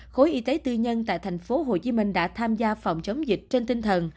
khối y tế tư nhân tại tp hcm đã tham gia phòng chống dịch trên tinh thần